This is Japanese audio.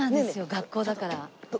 学校だから。